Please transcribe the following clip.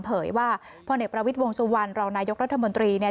เผยว่าพลเอกประวิทย์วงสุวรรณรองนายกรัฐมนตรีเนี่ย